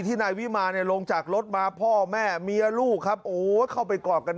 นายวิมาเนี่ยลงจากรถมาพ่อแม่เมียลูกครับโอ้เข้าไปกอดกัน